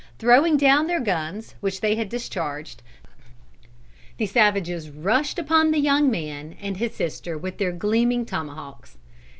Throwing down their guns which they had discharged, the savages rushed upon the young man and his sister with their gleaming tomahawks.